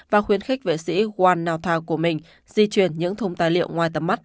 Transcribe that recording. và khuyến khích vệ sĩ juan nauta của mình di chuyển những thùng tài liệu ngoài tấm mắt